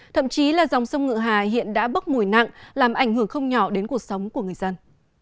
thậm chí là dòng sông ngựa hà hiện đã bốc mùi nặng làm ảnh hưởng không nhỏ đến cuộc sống của người dân